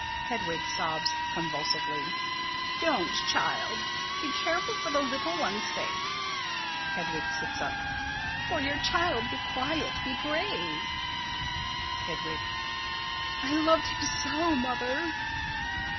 [Hedwig sobs convulsively.] Don't, child. Be careful for the little one's sake. [Hedwig sits up.] For your child be quiet, be brave. Hedwig: I loved him so, Mother!